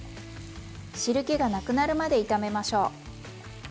汁けがなくなるまで炒めましょう。